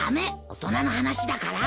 大人の話だから。